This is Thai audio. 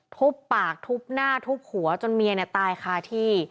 พบปากพบหน้าพบหัวจนเมียตายคราฮิที่